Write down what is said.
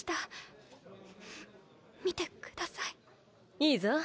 いいぞ。